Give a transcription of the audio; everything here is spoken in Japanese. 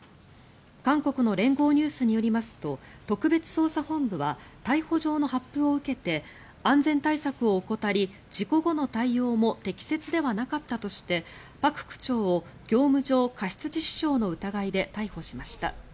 韓国の連合ニュースによりますと特別捜査本部は逮捕状の発付を受けて安全対策を怠り、事故後の対応も適切ではなかったとしてパク区長を業務上過失致死傷の疑いで逮捕しました。